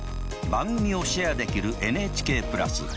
番組をシェアできるＮＨＫプラス。